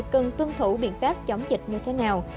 cần tuân thủ biện pháp chống dịch như thế nào